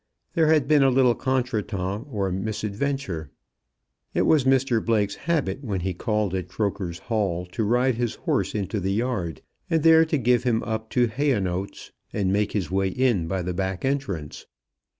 There had been a little contretemps or misadventure. It was Mr Blake's habit when he called at Croker's Hall to ride his horse into the yard, there to give him up to Hayonotes, and make his way in by the back entrance.